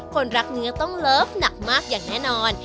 คนรักเนื้อต้องเลิฟหนักมากอย่างแน่นอน